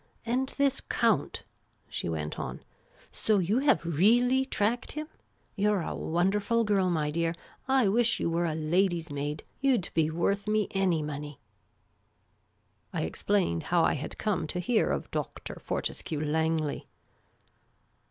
" And this Count ?" she went on. " So you have really tracked him ? You 're a wonderful girl, my dear. I wish j ou were a lady's maid. You 'd be worth me any money." I explained how I had come to hear of Dr. Fortescue Langley.